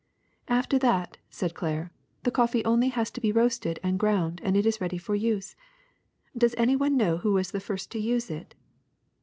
'' ''After that," said Claire, ''the coffee only has to be roasted and ground and it is ready for use. Does any one know who was the first to use it?"